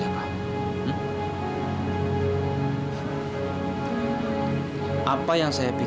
apa yang saya pikirkan tidak ada hubungan sama kamu aida